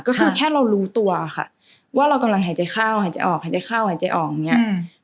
ก็คือแค่เรารู้ตัวค่ะว่าเรากำลังหายใจเข้าหายใจออกหายใจข้าวหายใจออกอย่างนี้